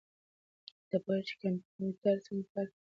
ایا ته پوهېږې چې کمپیوټر څنګه کار کوي؟